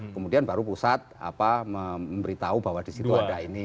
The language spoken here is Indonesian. kemudian baru pusat memberitahu bahwa disitu ada ini